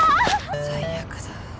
最悪だ。